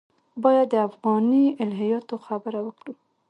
باید د افغاني الهیاتو خبره وکړو.